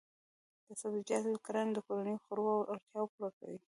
د سبزیجاتو کرنه د کورنیو خوړو اړتیاوې پوره کوي.